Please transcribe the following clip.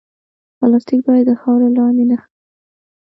پلاستيک باید د خاورې لاندې نه ښخېږي.